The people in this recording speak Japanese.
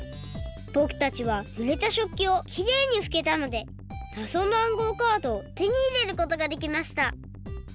ぼくたちはぬれた食器をきれいにふけたのでなぞの暗号カードをてにいれることができました！